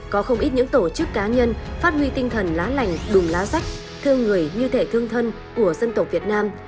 có không ít những tổ chức cá nhân phát huy tinh thần lá lành đùm lá rách thương người như thể thương thân của dân tộc việt nam